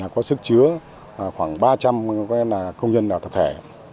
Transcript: có sức chứa khoảng ba trăm linh công nhân tập thể